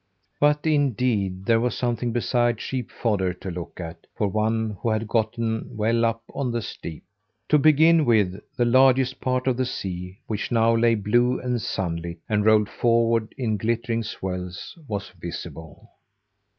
But indeed there was something beside sheep fodder to look at, for one who had gotten well up on the steep. To begin with, the largest part of the sea which now lay blue and sunlit, and rolled forward in glittering swells was visible.